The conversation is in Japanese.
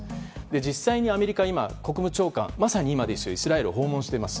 実際にアメリカは国務長官、まさに今イスラエルを訪問しています。